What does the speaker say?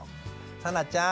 さなちゃん